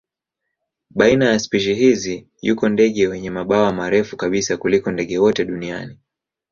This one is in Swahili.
Baina ya spishi hizi yuko ndege wenye mabawa marefu kabisa kuliko ndege wote duniani.